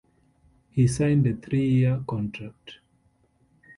He signed a three-year contract.